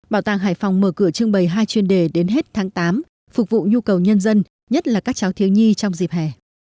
bảo tàng hải phòng mở cửa trưng bày hai chuyên đề đến hết tháng tám phục vụ nhu cầu nhân dân nhất là các cháu thiếu nhi trong dịp hè